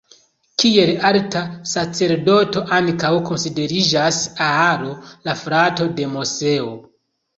Kiel alta sacerdoto ankaŭ konsideriĝas Aaron, la frato de Moseo.